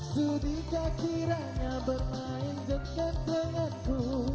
sudikah kiranya bermain dekat denganku